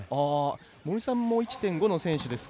森さんも１．５の選手ですが